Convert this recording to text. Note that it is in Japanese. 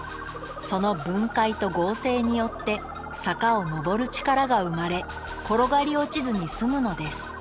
その分解と合成によって坂を上る力が生まれ転がり落ちずに済むのです。